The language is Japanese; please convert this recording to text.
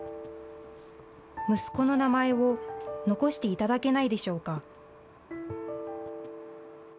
息子の名前を残していただけないでしょうか。